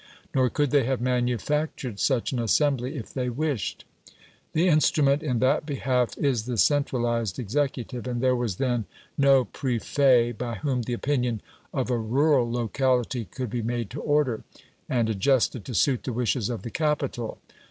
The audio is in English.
Nor could they have manufactured such an assembly if they wished. The instrument in that behalf is the centralised executive, and there was then no 'prefet' by whom the opinion of a rural locality could be made to order, and adjusted to suit the wishes of the capital.